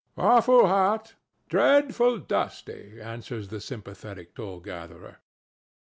—"Awful hot! Dreadful dusty!" answers the sympathetic toll gatherer.